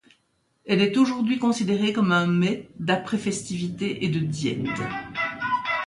Elle est aujourd'hui considérée comme un mets d'après festivités et de diète.